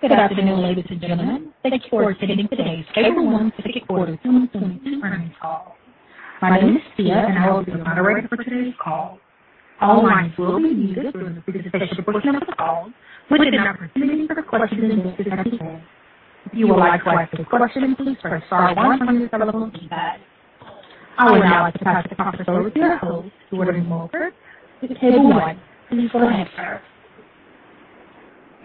Good afternoon, ladies and gentlemen. Thank you for attending today's Cable One second quarter 2022 earnings call. My name is Tia, and I will be the moderator for today's call. All lines will be muted during the presentation portion of the call. We will now proceed to the question and answer session. If you would like to ask a question, please press star one from your telephone keypad. I would now like to pass the conference over to our host, Jordan Morkert, with Cable One. Please go ahead, sir.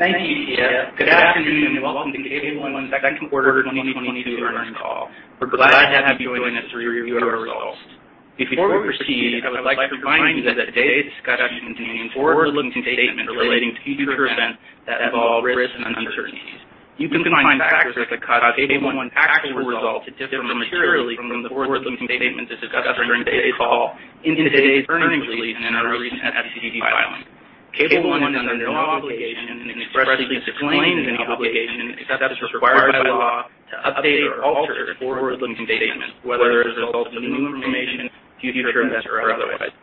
Thank you, Tia. Good afternoon, and welcome to Cable One second quarter 2022 earnings call. We're glad to have you joining us to review our results. Before we proceed, I would like to remind you that today's discussion contains forward-looking statements relating to future events that involve risks and uncertainties. You can find factors that could cause Cable One actual results to differ materially from the forward-looking statements discussed during today's call in today's earnings release and in our recent SEC filings. Cable One is under no obligation and expressly disclaims any obligation, except as required by law, to update or alter its forward-looking statements, whether as a result of new information, future events, or otherwise.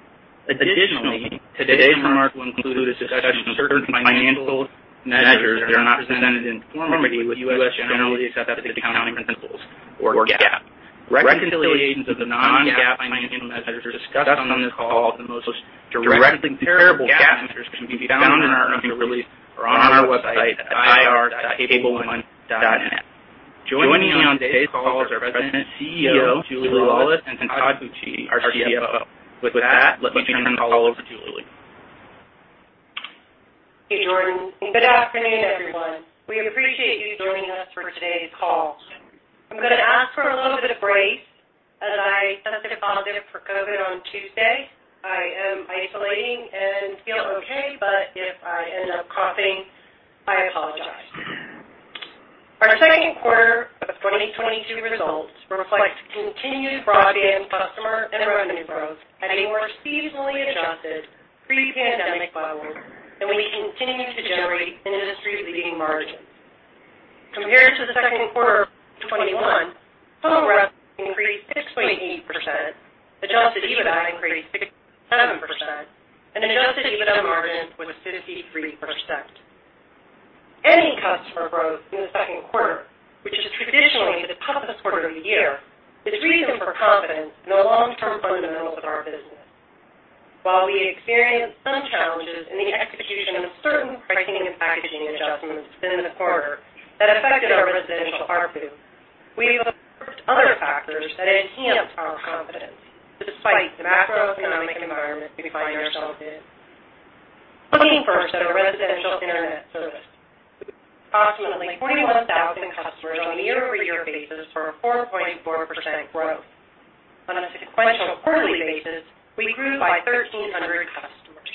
Additionally, today's remarks will include a discussion of certain financial measures that are not presented in conformity with U.S. generally accepted accounting principles, or GAAP. Reconciliations of the non-GAAP financial measures discussed on this call with the most directly comparable GAAP measures can be found in our earnings release or on our website at ir.cableone.net. Joining me on today's call is our President and CEO, Julia M. Laulis, and Todd Koetje, our CFO. With that, let me turn the call over to Julia. Thank you, Jordan. Good afternoon, everyone. We appreciate you joining us for today's call. I'm gonna ask for a little bit of grace as I tested positive for COVID on Tuesday. I am isolating and feel okay, but if I end up coughing, I apologize. Our second quarter of 2022 results reflect continued broadband customer and revenue growth at a more seasonally adjusted pre-pandemic level, and we continue to generate an industry-leading margin. Compared to the second quarter of 2021, total revenue increased 6.8%, Adjusted EBITDA increased 6.7%, and Adjusted EBITDA margin was 53%. Any customer growth in the second quarter, which is traditionally the toughest quarter of the year, is reason for confidence in the long-term fundamentals of our business. While we experienced some challenges in the execution of certain pricing and packaging adjustments within the quarter that affected our residential ARPU, we've observed other factors that enhanced our confidence despite the macroeconomic environment we find ourselves in. Looking first at our residential internet service, approximately 41,000 customers on a year-over-year basis for a 4.4% growth. On a sequential quarterly basis, we grew by 1,300 customers.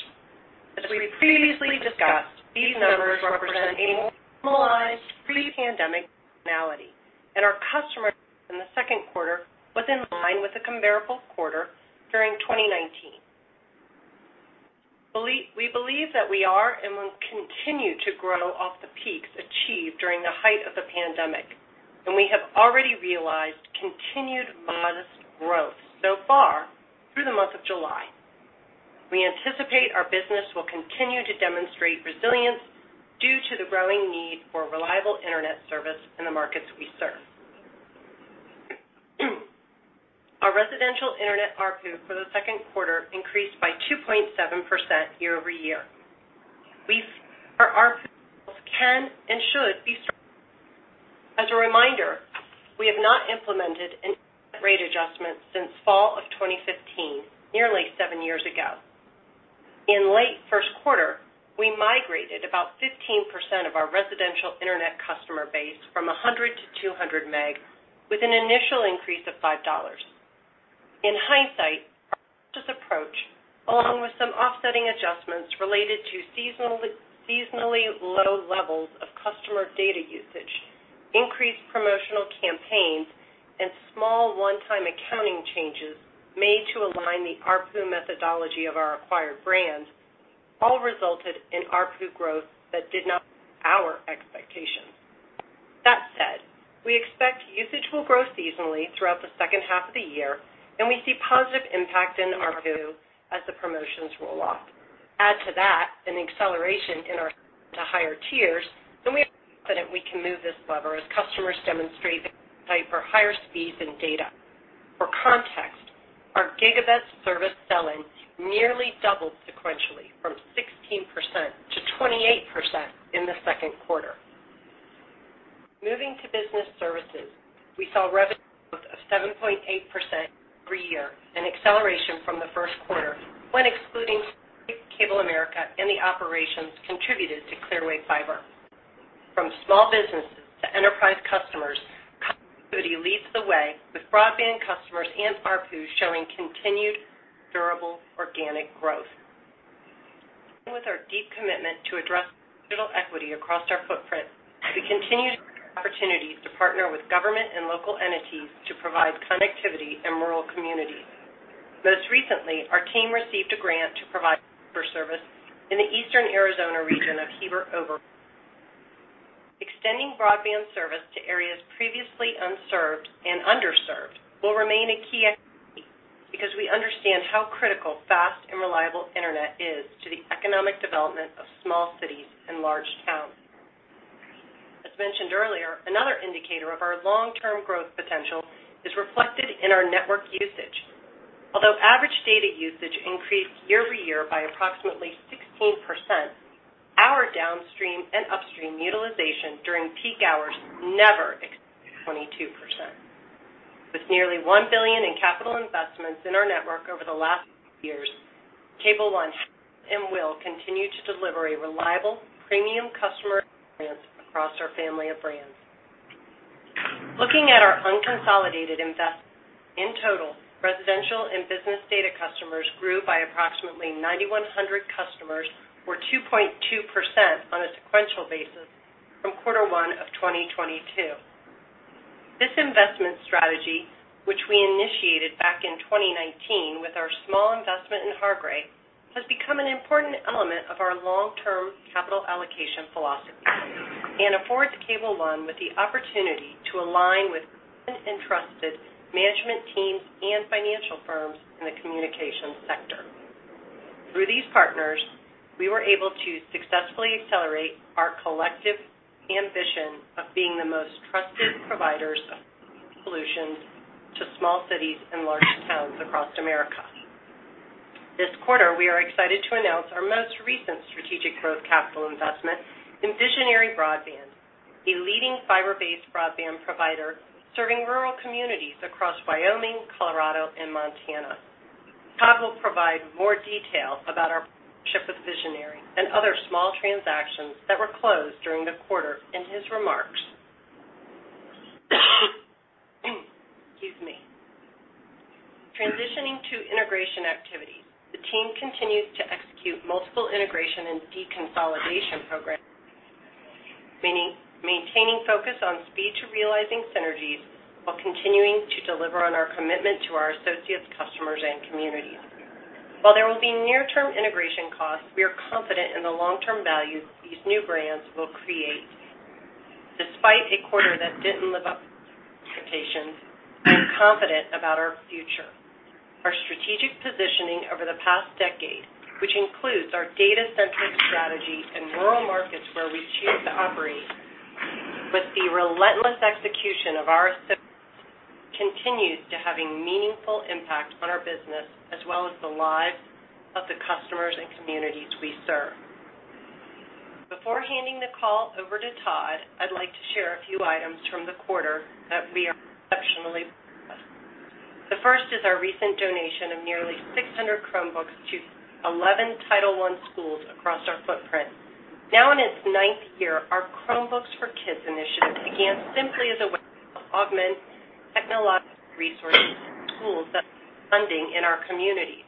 As we previously discussed, these numbers represent a normalized pre-pandemic seasonality, and our customers in the second quarter was in line with the comparable quarter during 2019. We believe that we are and will continue to grow off the peaks achieved during the height of the pandemic, and we have already realized continued modest growth so far through the month of July. We anticipate our business will continue to demonstrate resilience due to the growing need for reliable internet service in the markets we serve. Our residential internet ARPU for the second quarter increased by 2.7% year-over-year. Our ARPUs can and should be stronger. As a reminder, we have not implemented an internet rate adjustment since fall of 2015, nearly seven years ago. In late first quarter, we migrated about 15% of our residential internet customer base from 100 to 200 meg with an initial increase of $5. In hindsight, our cautious approach, along with some offsetting adjustments related to seasonally low levels of customer data usage, increased promotional campaigns, and small one-time accounting changes made to align the ARPU methodology of our acquired brands all resulted in ARPU growth that did not meet our expectations. That said, we expect usage will grow seasonally throughout the second half of the year, and we see positive impact in ARPU as the promotions roll off. Add to that an acceleration into higher tiers, and we are confident we can move this lever as customers demonstrate their appetite for higher speeds and data. For context, our gigabit service sell-in nearly doubled sequentially from 16% to 28% in the second quarter. Moving to business services, we saw revenue growth of 7.8% year over year, an acceleration from the first quarter when excluding CableAmerica and the operations contributed to Clearwave Fiber. From small businesses to enterprise customers, connectivity leads the way, with broadband customers and ARPU showing continued durable organic growth. With our deep commitment to address digital equity across our footprint, we continue to seek opportunities to partner with government and local entities to provide connectivity in rural communities. Most recently, our team received a grant to provide fiber service in the Eastern Arizona region of Gila River. Extending broadband service to areas previously unserved and underserved will remain a key. Because we understand how critical fast and reliable internet is to the economic development of small cities and large towns. As mentioned earlier, another indicator of our long-term growth potential is reflected in our network usage. Although average data usage increased year-over-year by approximately 16%, our downstream and upstream utilization during peak hours never exceeded 22%. With nearly $1 billion in capital investments in our network over the last years, Cable One has and will continue to deliver a reliable premium customer experience across our family of brands. Looking at our unconsolidated investments, in total, residential and business data customers grew by approximately 9,100 customers or 2.2% on a sequential basis from quarter one of 2022. This investment strategy, which we initiated back in 2019 with our small investment in Hargray, has become an important element of our long-term capital allocation philosophy and affords Cable One with the opportunity to align with trusted management teams and financial firms in the communications sector. Through these partners, we were able to successfully accelerate our collective ambition of being the most trusted providers of solutions to small cities and large towns across America. This quarter, we are excited to announce our most recent strategic growth capital investment in Visionary Broadband, a leading fiber-based broadband provider serving rural communities across Wyoming, Colorado, and Montana. Todd will provide more detail about our partnership with Visionary and other small transactions that were closed during the quarter in his remarks. Excuse me. Transitioning to integration activities, the team continues to execute multiple integration and deconsolidation programs, meaning maintaining focus on speed to realizing synergies while continuing to deliver on our commitment to our associates, customers, and communities. While there will be near-term integration costs, we are confident in the long-term value these new brands will create. Despite a quarter that didn't live up to expectations, I'm confident about our future. Our strategic positioning over the past decade, which includes our data-centric strategy in rural markets where we choose to operate with the relentless execution of our associates, continues to having meaningful impact on our business as well as the lives of the customers and communities we serve. Before handing the call over to Todd, I'd like to share a few items from the quarter that we are exceptionally proud of. The first is our recent donation of nearly 600 Chromebooks to 11 Title I schools across our footprint. Now in its ninth year, our Chromebooks for Kids initiative began simply as a way to augment technological resources in schools that lack funding in our communities.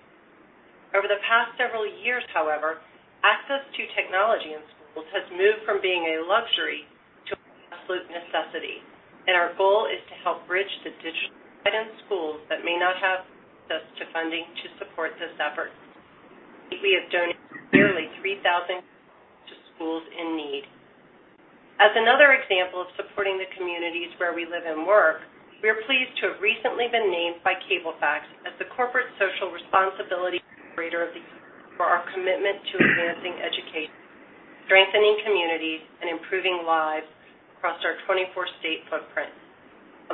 Over the past several years, however, access to technology in schools has moved from being a luxury to an absolute necessity, and our goal is to help bridge the digital divide in schools that may not have access to funding to support this effort. We have donated nearly 3,000 Chromebooks to schools in need. As another example of supporting the communities where we live and work, we are pleased to have recently been named by Cablefax as the corporate social responsibility operator of the year for our commitment to advancing education, strengthening communities, and improving lives across our 24-state footprint.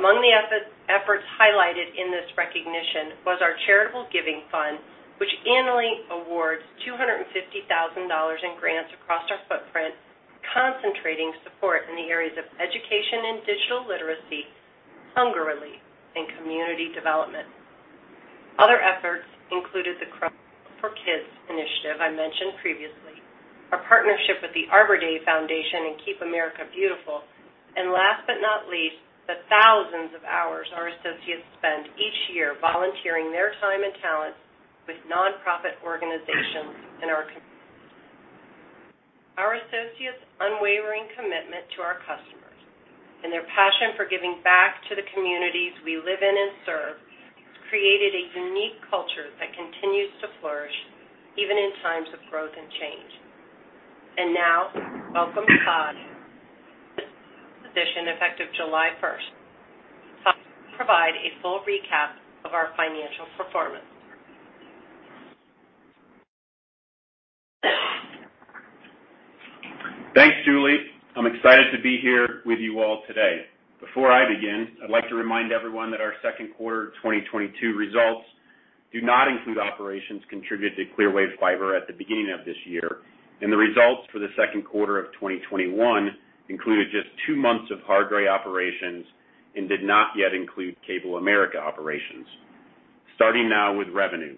Among the efforts highlighted in this recognition was our charitable giving fund, which annually awards $250,000 in grants across our footprint, concentrating support in the areas of education and digital literacy, hunger relief, and community development. Other efforts included the Chromebooks for Kids initiative I mentioned previously, our partnership with the Arbor Day Foundation and Keep America Beautiful, and last but not least, the thousands of hours our associates spend each year volunteering their time and talents with nonprofit organizations in our communities. Our associates' unwavering commitment to our customers and their passion for giving back to the communities we live in and serve has created a unique culture that continues to flourish even in times of growth and change. Now welcome Todd. His position effective July first. Todd will provide a full recap of our financial performance. Thanks, Julie. I'm excited to be here with you all today. Before I begin, I'd like to remind everyone that our second quarter 2022 results do not include operations contributed to Clearwave Fiber at the beginning of this year. The results for the second quarter of 2021 included just two months of Hargray operations and did not yet include CableAmerica operations. Starting now with revenue.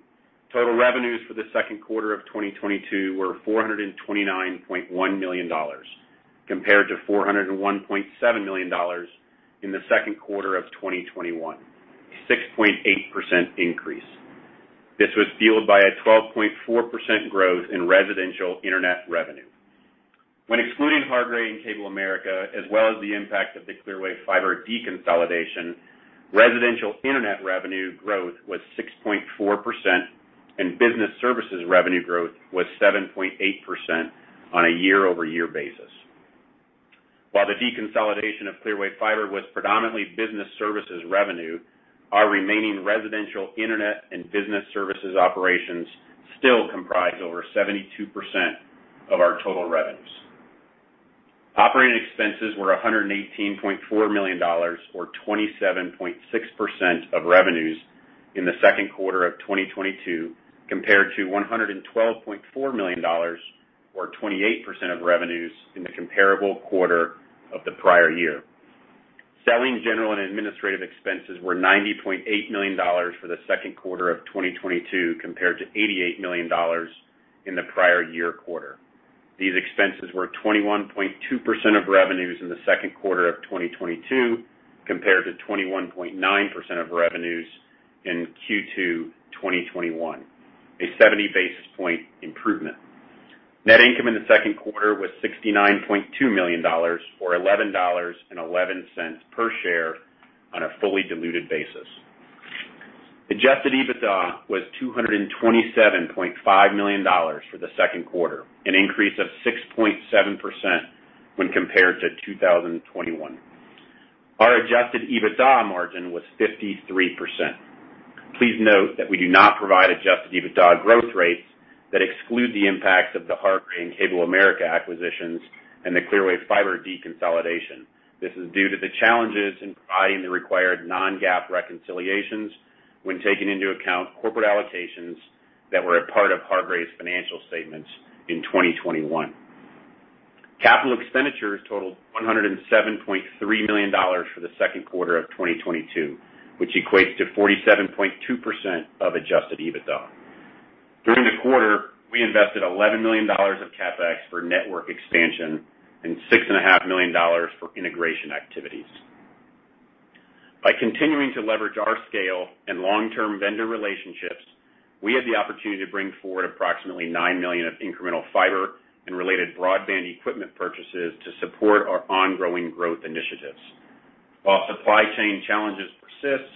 Total revenues for the second quarter of 2022 were $429.1 million, compared to $401.7 million in the second quarter of 2021, a 6.8% increase. This was fueled by a 12.4% growth in residential internet revenue. When excluding Hargray and CableAmerica, as well as the impact of the Clearwave Fiber deconsolidation, residential internet revenue growth was 6.4%, and business services revenue growth was 7.8% on a year-over-year basis. While the deconsolidation of Clearwave Fiber was predominantly business services revenue, our remaining residential internet and business services operations still comprise over 72% of our total revenues. Operating expenses were $118.4 million, or 27.6% of revenues in the second quarter of 2022, compared to $112.4 million or 28% of revenues in the comparable quarter of the prior year. Selling general and administrative expenses were $90.8 million for the second quarter of 2022, compared to $88 million in the prior year quarter. These expenses were 21.2% of revenues in the second quarter of 2022, compared to 21.9% of revenues in Q2 2021, a 70 basis point improvement. Net income in the second quarter was $69.2 million, or $11.11 per share on a fully diluted basis. Adjusted EBITDA was $227.5 million for the second quarter, an increase of 6.7% when compared to 2021. Our adjusted EBITDA margin was 53%. Please note that we do not provide adjusted EBITDA growth rates that exclude the impact of the Hargray and CableAmerica acquisitions and the Clearwave Fiber deconsolidation. This is due to the challenges in providing the required non-GAAP reconciliations when taking into account corporate allocations that were a part of Hargray's financial statements in 2021. Capital expenditures totaled $107.3 million for the second quarter of 2022, which equates to 47.2% of Adjusted EBITDA. During the quarter, we invested $11 million of CapEx for network expansion and $6.5 million for integration activities. By continuing to leverage our scale and long-term vendor relationships, we had the opportunity to bring forward approximately $9 million of incremental fiber and related broadband equipment purchases to support our ongoing growth initiatives. While supply chain challenges persist,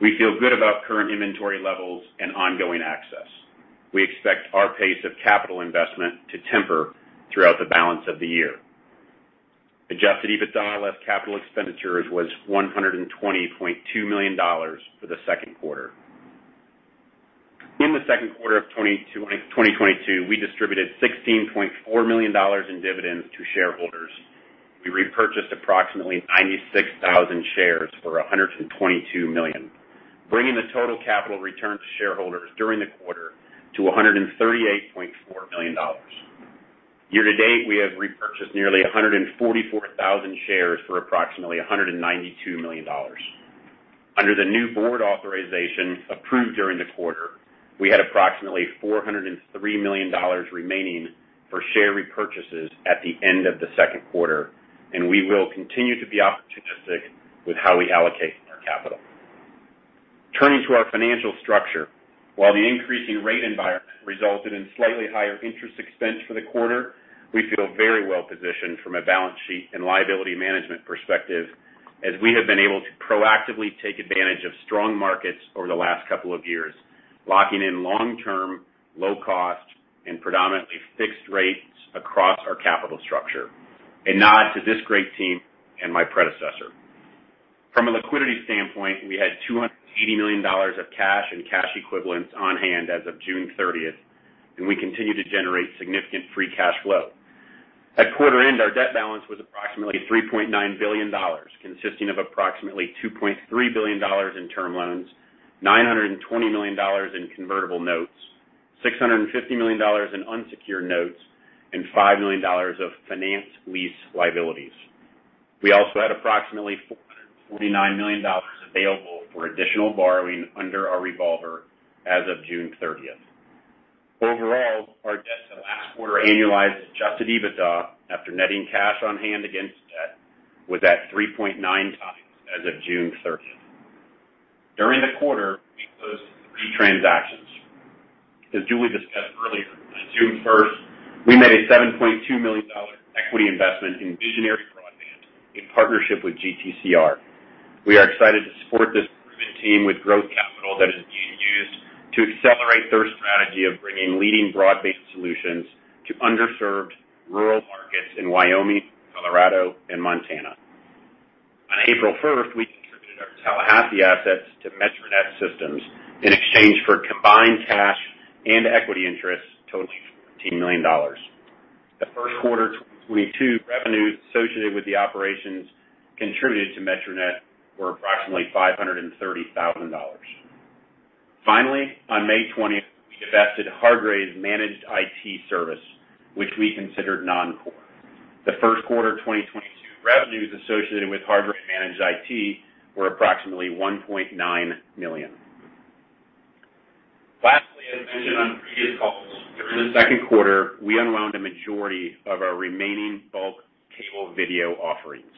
we feel good about current inventory levels and ongoing access. We expect our pace of capital investment to temper throughout the balance of the year. Adjusted EBITDA less capital expenditures was $120.2 million for the second quarter. In the second quarter of 2022, we distributed $16.4 million in dividends to shareholders. We repurchased approximately 96,000 shares for $122 million, bringing the total capital return to shareholders during the quarter to $138.4 million. Year to date, we have repurchased nearly 144,000 shares for approximately $192 million. Under the new board authorization approved during the quarter, we had approximately $403 million remaining for share repurchases at the end of the second quarter, and we will continue to be opportunistic with how we allocate our capital. Turning to our financial structure. While the increasing rate environment resulted in slightly higher interest expense for the quarter, we feel very well positioned from a balance sheet and liability management perspective as we have been able to proactively take advantage of strong markets over the last couple of years, locking in long-term, low cost, and predominantly fixed rates across our capital structure. A nod to this great team and my predecessor. From a liquidity standpoint, we had $280 million of cash and cash equivalents on hand as of June 30th, and we continue to generate significant free cash flow. At quarter end, our debt balance was approximately $3.9 billion, consisting of approximately $2.3 billion in term loans, $920 million in convertible notes, $650 million in unsecured notes, and $5 million of finance lease liabilities. We also had approximately $449 million available for additional borrowing under our revolver as of June thirtieth. Overall, our debt to last quarter annualized Adjusted EBITDA after netting cash on hand against debt was at 3.9 times as of June thirtieth. During the quarter, we closed three transactions. As Julia discussed earlier, on June first, we made a $7.2 million dollar equity investment in Visionary Broadband in partnership with GTCR. We are excited to support this proven team with growth capital that is being used to accelerate their strategy of bringing leading broadband solutions to underserved rural markets in Wyoming, Colorado, and Montana. On April first, we contributed our Tallahassee assets to MetroNet in exchange for combined cash and equity interests totaling $14 million. The first quarter 2022 revenues associated with the operations contributed to MetroNet were approximately $530,000. Finally, on May twentieth, we divested Hargray Managed IT service, which we considered non-core. The first quarter 2022 revenues associated with Hargray Managed IT were approximately $1.9 million. Lastly, as mentioned on previous calls, during the second quarter, we unwound a majority of our remaining bulk cable video offerings.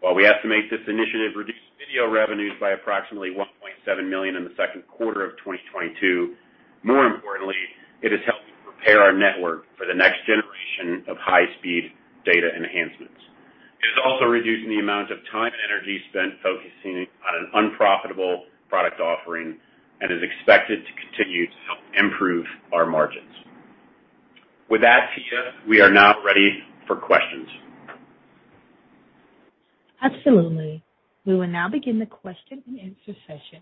While we estimate this initiative reduced video revenues by approximately $1.7 million in the second quarter of 2022, more importantly, it has helped prepare our network for the next generation of high speed data enhancements. It is also reducing the amount of time and energy spent focusing on an unprofitable product offering and is expected to continue to help improve our margins. With that, Tia, we are now ready for questions. Absolutely. We will now begin the question and answer session.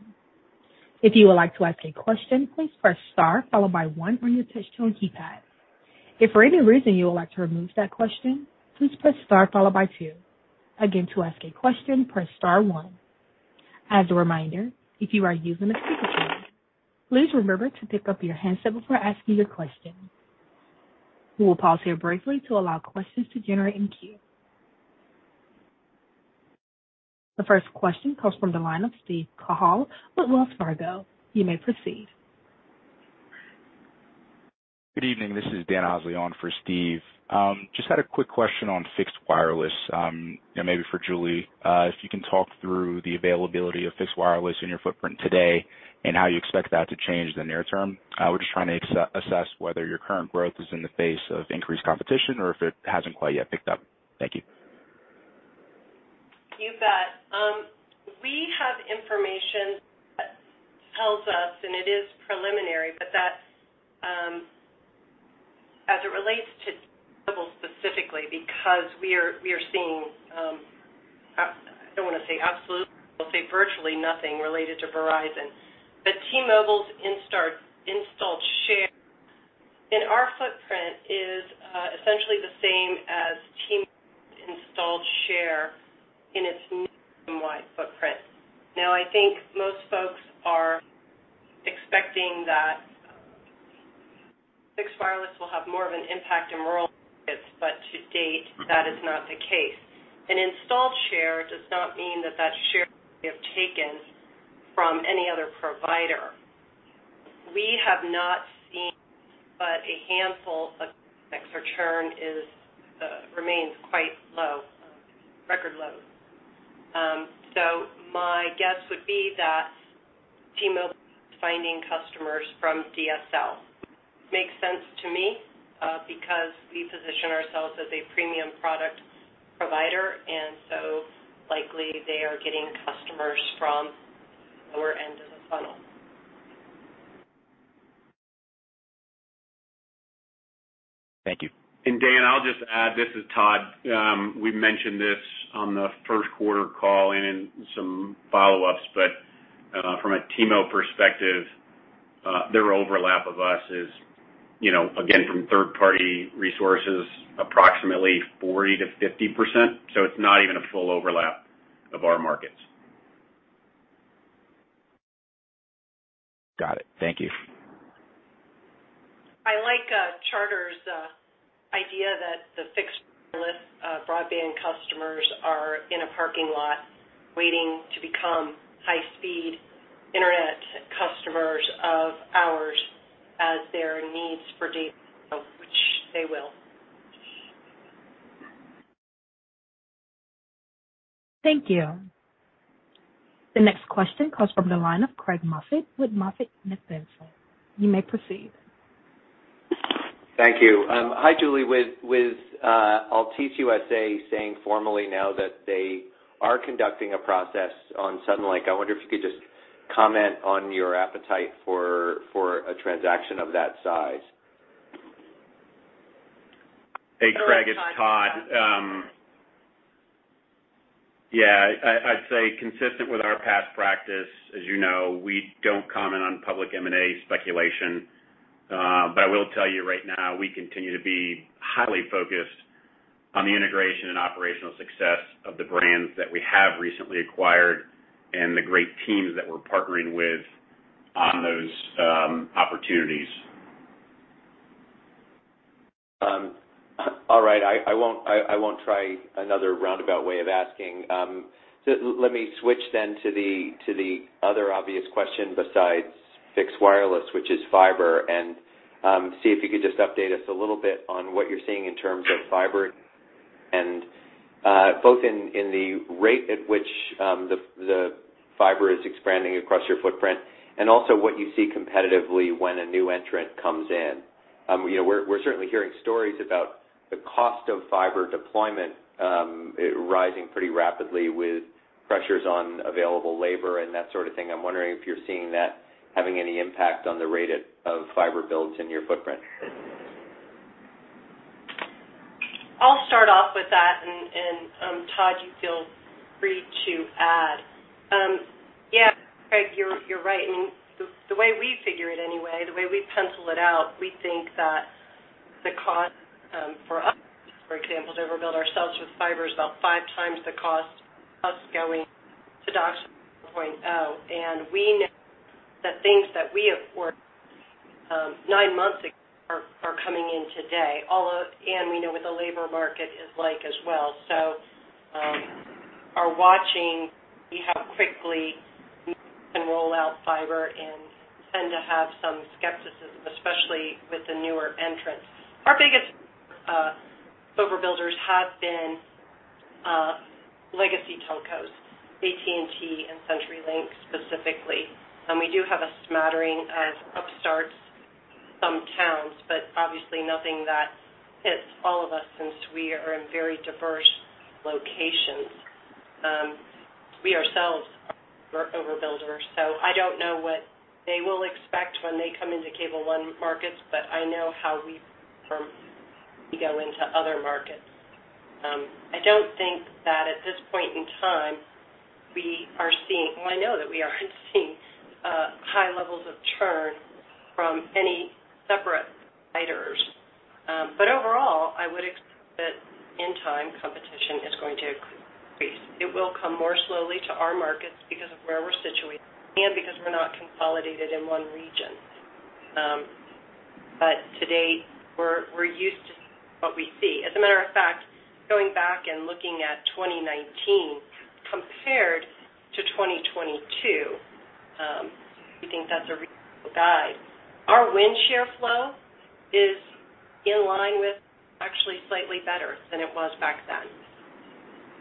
If you would like to ask a question, please press star followed by one on your touchtone keypad. If for any reason you would like to remove that question, please press star followed by two. Again, to ask a question, press star one. As a reminder, if you are using a speakerphone, please remember to pick up your handset before asking your question. We will pause here briefly to allow questions to generate in queue. The first question comes from the line of Steven Cahall with Wells Fargo. You may proceed. Good evening. This is Daniel Osley on for Steven. Just had a quick question on fixed wireless, you know, maybe for Julia. If you can talk through the availability of fixed wireless in your footprint today and how you expect that to change in the near term? I was just trying to assess whether your current growth is in the face of increased competition or if it hasn't quite yet picked up. Thank you. You bet. We have information that tells us, and it is preliminary, but that, as it relates to T-Mobile specifically, because we are seeing, I don't wanna say absolutely, I'll say virtually nothing related to Verizon. T-Mobile's installed share in our footprint is essentially the same as T-Mobile's installed share in its nationwide footprint. Now, I think most folks are expecting that fixed wireless will have more of an impact in rural markets, but to date, that is not the case. An installed share does not mean that that share they have taken from any other provider. We have not seen but a handful of mix or churn remains quite low, record low. My guess would be that T-Mobile is finding customers from DSL. Makes sense to me, because we position ourselves as a premium product provider, and so likely they are getting customers from lower end of the funnel. Thank you. Dan, I'll just add, this is Todd. We mentioned this on the first quarter call and in some follow-ups, but from a T-Mobile perspective, their overlap of us is, you know, again, from third-party resources, approximately 40%-50%. It's not even a full overlap of our markets. Got it. Thank you. I like Charter's idea that the fixed wireless broadband customers are in a parking lot waiting to become high-speed internet customers of ours as their needs for data, which they will. Thank you. The next question comes from the line of Craig Moffett with MoffettNathanson. You may proceed. Thank you. Hi, Julie. With Altice USA saying formally now that they are conducting a process on Suddenlink, I wonder if you could just comment on your appetite for a transaction of that size? Hey, Craig, it's Todd. Yeah, I'd say consistent with our past practice, as you know, we don't comment on public M&A speculation. I will tell you right now, we continue to be highly focused on the integration and operational success of the brands that we have recently acquired and the great teams that we're partnering with on those opportunities. All right. I won't try another roundabout way of asking. Let me switch then to the other obvious question besides fixed wireless, which is fiber, and see if you could just update us a little bit on what you're seeing in terms of fiber and both in the rate at which the fiber is expanding across your footprint and also what you see competitively when a new entrant comes in. You know, we're certainly hearing stories about the cost of fiber deployment rising pretty rapidly with pressures on available labor and that sort of thing. I'm wondering if you're seeing that having any impact on the rate of fiber builds in your footprint. I'll start off with that, Todd, you feel free to add. Yeah, Craig, you're right. I mean, the way we figure it anyway, the way we pencil it out, we think that the cost, for us, for example, to overbuild ourselves with fiber is about five times the cost of us going to DOCSIS 4.0. We know the things that we have ordered, nine months ago are coming in today. We know what the labor market is like as well. We're watching how quickly we can roll out fiber and tend to have some skepticism, especially with the newer entrants. Our biggest fiber builders have been legacy telcos, AT&T and CenturyLink specifically. We do have a smattering of upstarts, some towns, but obviously nothing that hits all of us since we are in very diverse locations. We ourselves overbuilders. I don't know what they will expect when they come into Cable One markets, but I know how we perform when we go into other markets. Well, I know that we aren't seeing high levels of churn from any separate providers. Overall, I would expect that in time, competition is going to increase. It will come more slowly to our markets because of where we're situated and because we're not consolidated in one region. To date, we're used to what we see. As a matter of fact, going back and looking at 2019 compared to 2022, if you think that's a reasonable guide, our win share flow is in line with actually slightly better than it was back then.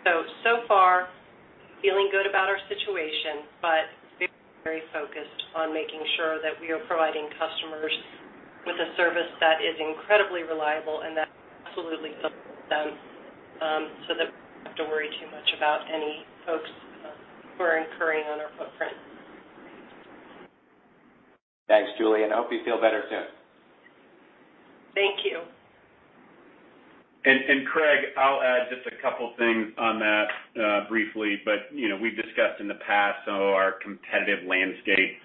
So far, feeling good about our situation, but very, very focused on making sure that we are providing customers with a service that is incredibly reliable and that absolutely supports them, so that we don't have to worry too much about any folks who are encroaching on our footprint. Thanks, Julie, and I hope you feel better soon. Thank you. Craig, I'll add just a couple things on that briefly. You know, we've discussed in the past, so our competitive landscape,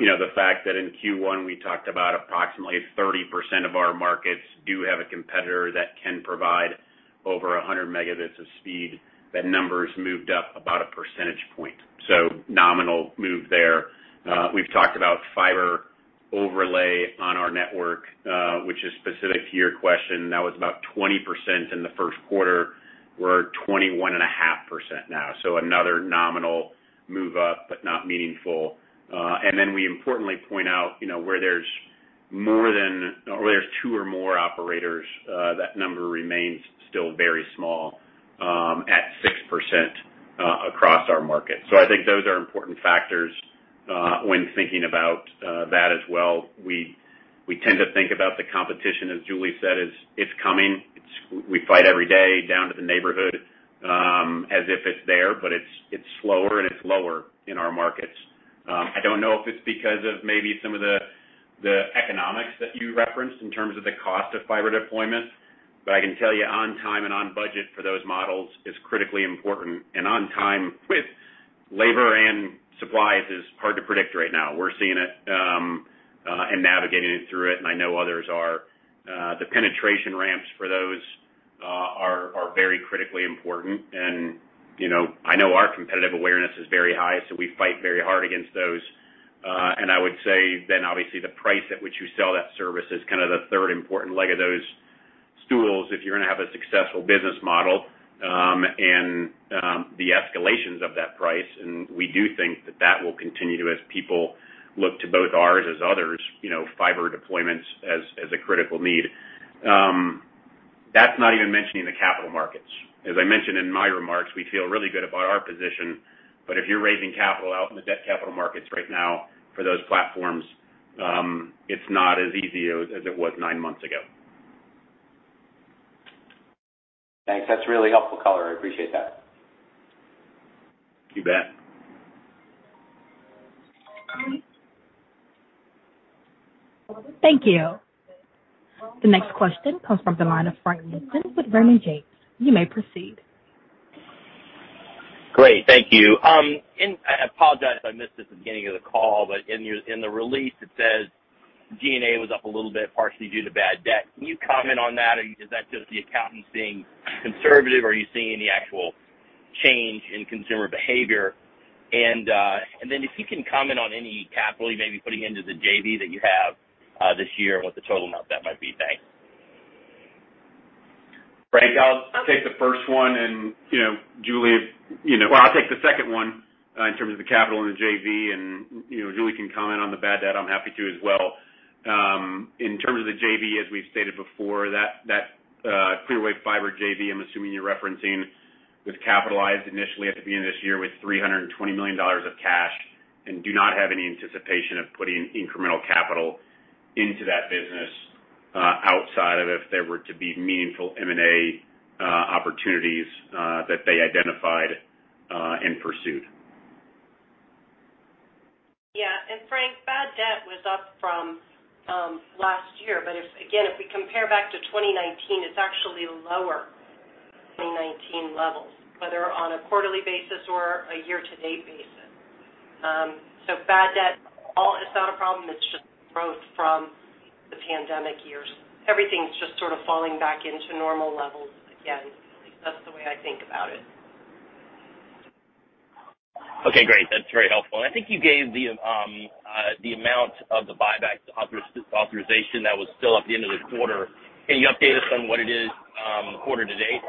you know, the fact that in Q1 we talked about approximately 30% of our markets do have a competitor that can provide over 100 megabits of speed. That number's moved up about a percentage point, so nominal move there. We've talked about fiber overlay on our network, which is specific to your question. That was about 20% in the first quarter. We're 21.5% now, so another nominal move up, but not meaningful. And then we importantly point out, you know, where there's 2 or more operators, that number remains still very small at 6% across our market. I think those are important factors when thinking about that as well. We tend to think about the competition, as Julie said, as it's coming. We fight every day down to the neighborhood as if it's there, but it's slower and it's lower in our markets. I don't know if it's because of maybe some of the economics that you referenced in terms of the cost of fiber deployment, but I can tell you on time and on budget for those models is critically important. On time with labor and supplies is hard to predict right now. We're seeing it and navigating through it, and I know others are. The penetration ramps for those are very critically important. You know, I know our competitive awareness is very high, so we fight very hard against those. I would say then obviously the price at which you sell that service is kind of the third important leg of those stools if you're gonna have a successful business model, and the escalations of that price. We do think that that will continue to as people look to both ours as others, you know, fiber deployments as a critical need. That's not even mentioning the capital markets. As I mentioned in my remarks, we feel really good about our position, but if you're raising capital out in the debt capital markets right now for those platforms, it's not as easy as it was nine months ago. Thanks. That's really helpful color. I appreciate that. You bet. Thank you. The next question comes from the line of Frank Louthan with Raymond James. You may proceed. Great. Thank you. I apologize if I missed this at the beginning of the call, but in the release it says G&A was up a little bit, partially due to bad debt. Can you comment on that? Is that just the accountants being conservative, or are you seeing any actual change in consumer behavior? If you can comment on any capital you may be putting into the JV that you have this year and what the total amount that might be. Thanks. Frank, I'll take the first one and, you know, Julie, you know. Well, I'll take the second one in terms of the capital in the JV, and, you know, Julie can comment on the bad debt. I'm happy to as well. In terms of the JV, as we've stated before, that Clearwave Fiber JV, I'm assuming you're referencing, was capitalized initially at the beginning of this year with $320 million of cash and do not have any anticipation of putting incremental capital into that business outside of if there were to be meaningful M&A opportunities that they identified and pursued. Yeah. Frank, bad debt was up from last year. If, again, if we compare back to 2019, it's actually lower than 2019 levels, whether on a quarterly basis or a year-to-date basis. Bad debt, it's not a problem. It's just growth from the pandemic years. Everything's just sort of falling back into normal levels again. That's the way I think about it. Okay, great. That's very helpful. I think you gave the amount of the buyback authorization that was still at the end of the quarter. Can you update us on what it is, quarter to date?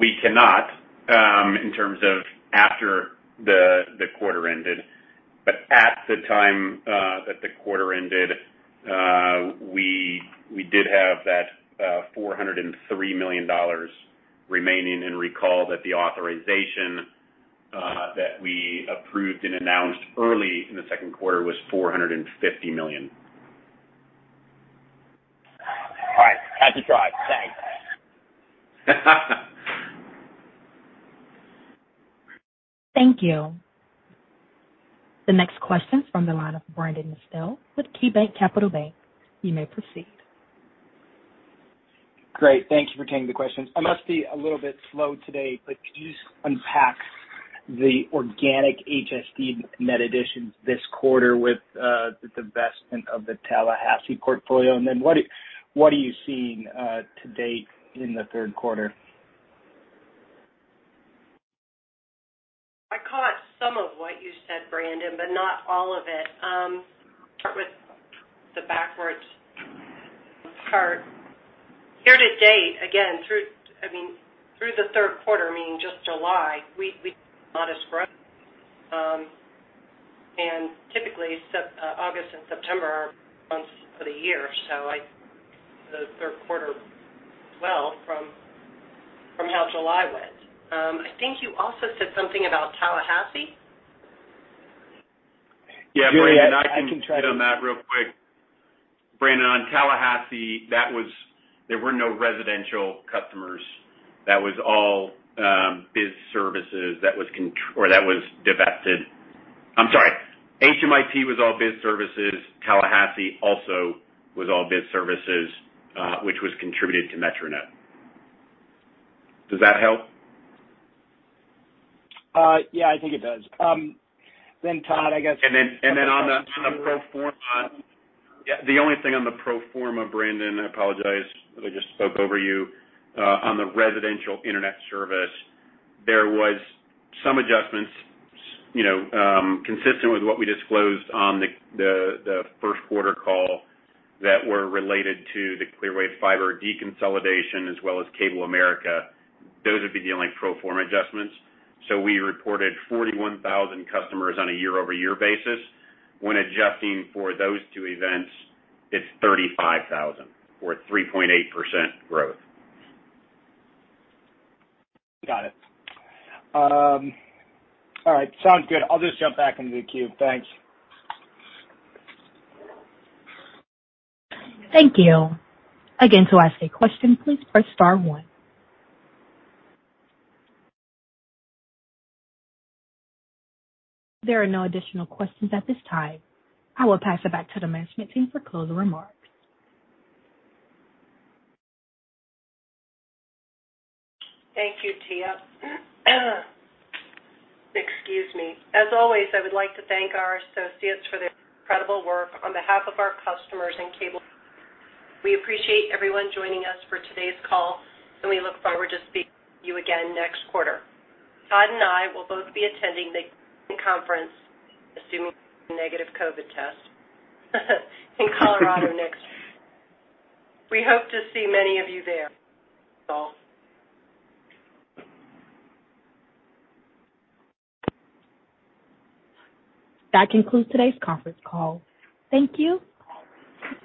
We cannot in terms of after the quarter ended. At the time that the quarter ended, we did have that $403 million remaining. Recall that the authorization that we approved and announced early in the second quarter was $450 million. Thank you. The next question is from the line of Brandon Nispel with KeyBanc Capital Markets. You may proceed. Great. Thank you for taking the questions. I must be a little bit slow today, but could you just unpack the organic HSD net additions this quarter with the divestment of the Tallahassee portfolio? And then what are you seeing to date in the third quarter? I caught some of what you said, Brandon, but not all of it. Start with the backwards part. Year to date, again, through, I mean, through the third quarter, meaning just July, we modest growth. Typically August and September are months of the year, so the third quarter as well from how July went. I think you also said something about Tallahassee. Yeah, Brandon, I can chime in on that real quick. Brandon, on Tallahassee, that was. There were no residential customers. That was all biz services that was divested. I'm sorry. HMIT was all biz services. Tallahassee also was all biz services, which was contributed to MetroNet. Does that help? Yeah, I think it does. Todd, I guess. On the pro forma. Yeah, the only thing on the pro forma, Brandon, I apologize, I just spoke over you. On the residential internet service, there was some adjustments, you know, consistent with what we disclosed on the first quarter call that were related to the Clearwave Fiber deconsolidation as well as CableAmerica. Those would be the only pro forma adjustments. We reported 41,000 customers on a year-over-year basis. When adjusting for those two events, it's 35,000 or 3.8% growth. Got it. All right, sounds good. I'll just jump back into the queue. Thanks. Thank you. Again, to ask a question, please press star one. There are no additional questions at this time. I will pass it back to the management team for closing remarks. Thank you, Tia. Excuse me. As always, I would like to thank our associates for their incredible work on behalf of our customers and Cable. We appreciate everyone joining us for today's call, and we look forward to speaking with you again next quarter. Todd and I will both be attending the conference, assuming negative COVID test, in Colorado next week. We hope to see many of you there. That's all. That concludes today's conference call. Thank you.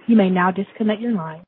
You may now disconnect your lines.